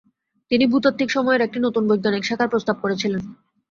তিনি ভূতাত্ত্বিক সময়ের একটি নতুন বৈজ্ঞানিক শাখার প্রস্তাব করেছিলেন।